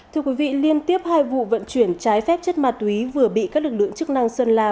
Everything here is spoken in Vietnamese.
thưa quý vị liên tiếp hai vụ vận chuyển trái phép chất ma túy vừa bị các lực lượng chức năng sơn la